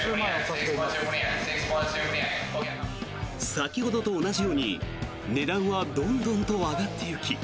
先ほどと同じように値段はどんどんと上がっていき